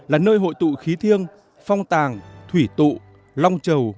là nơi hội tụ khí thiêng phong tàng thủy tụ long trầu